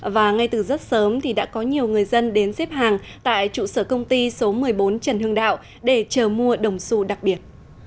và ngay từ rất sớm thì đã có nhiều người dân đến xếp hàng tại trụ sở công ty số một mươi bốn trần hưng đạo để chờ mua đồng su đặc biệt